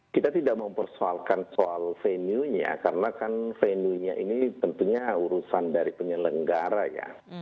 kita tidak mempersoalkan soal venunya karena kan venunya ini tentunya urusan dari penyelenggara ya